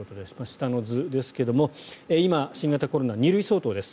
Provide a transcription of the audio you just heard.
下の図ですが今、新型コロナは２類相当です。